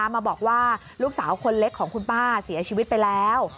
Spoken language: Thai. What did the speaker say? มาบอกว่าลูกสาวคนเล็กของคุณป้าเสียชีวิตไปแล้ว